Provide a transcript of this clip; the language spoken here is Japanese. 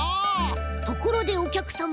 ところでおきゃくさま？